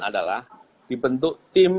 adalah dibentuk tim